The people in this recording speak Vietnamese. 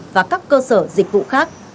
và các cơ sở dịch vụ khác